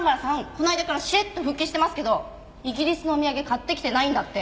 この間からしれっと復帰してますけどイギリスのお土産買ってきてないんだって。